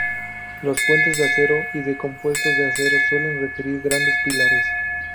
Los puentes de acero y de compuestos de acero suelen requerir grandes pilares.